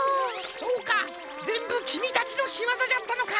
そうかぜんぶきみたちのしわざじゃったのか。